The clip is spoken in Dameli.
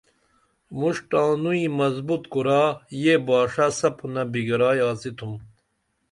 موݜٹھ تانوئی مضبوط کُرا یہ باݜہ سپُنہ بِگیرائی آڅتُھم